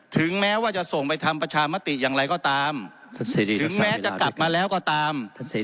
ถึงแม้ว่าจะส่งไปทำประชามติอย่างไรก็ตามถึงแม้จะกลับมาแล้วก็ตาม